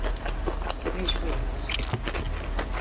Mecburuz.